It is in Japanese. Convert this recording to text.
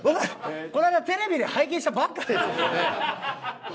この間テレビで拝見したばっかです。